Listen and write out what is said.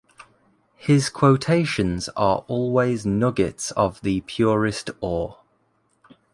His quotations are always nuggets of the purest ore.